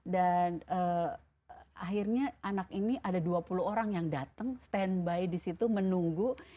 dan akhirnya anak ini ada dua puluh orang yang dateng stand by disitu menunggu